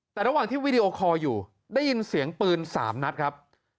แต่ระหว่างที่วีดีโอคอลอยู่ได้ยินเสียงปืน๓นัดครับ